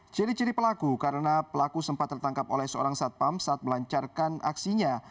ciri ciri pelaku karena pelaku sempat tertangkap oleh seorang satpam saat melancarkan aksinya